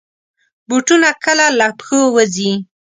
بوټونه کله له پښو وځي.